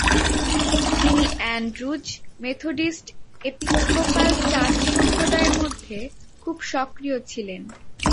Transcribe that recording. তিনি Andrews Methodist Episcopal church সম্প্রদায়ের মধ্যে খুব সক্রিয় ছিলেন।